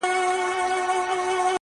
ژبي سل ځايه زخمي د شهبازونو-